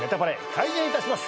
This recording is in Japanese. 開演いたします。